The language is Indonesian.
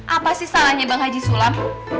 apa sih salahnya bang haji sulam